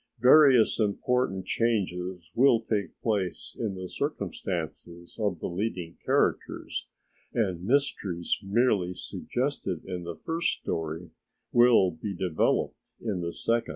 Various important changes will take place in the circumstances of the leading characters and mysteries merely suggested in the first story will be developed in the second.